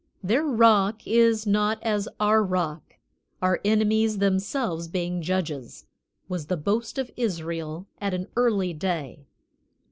"Their Rock is not as our Rock, our enemies themselves being judges" was the boast of Israel at an early day.